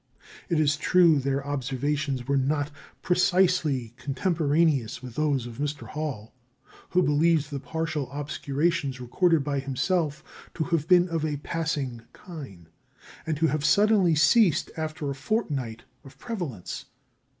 It is true their observations were not precisely contemporaneous with those of Mr. Hall who believes the partial obscurations recorded by himself to have been of a passing kind, and to have suddenly ceased after a fortnight of prevalence.